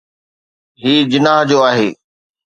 هي جناح جو آهي.